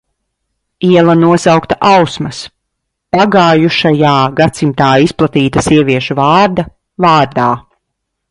Iela nosaukta Ausmas – pagājušajā gadsimtā izplatīta sieviešu vārda – vārdā.